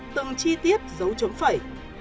từng chi tiết dấu chấm phẩy